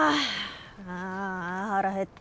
ああ腹減った。